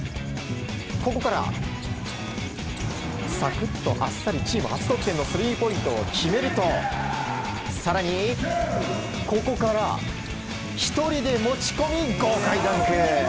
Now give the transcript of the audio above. ここからサクッとあっさりチーム初得点のスリーポイントを決めると更に、ここから１人で持ち込み豪快ダンク！